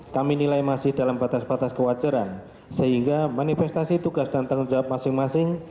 kami nilai masih dalam batas batas kewajaran sehingga manifestasi tugas dan tanggung jawab masing masing